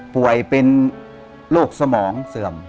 ป่วยเป็นโรคสมองเสื่อม